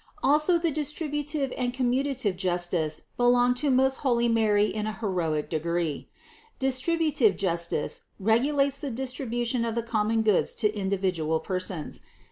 555. Also the distributive and commutative justice be longed to most holy Mary in a heroic degree. Distribu tive justice regulates the distribution of the common goods to individual persons.